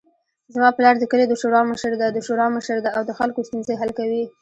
زما پلار د کلي د شورا مشر ده او د خلکو ستونزې حل کوي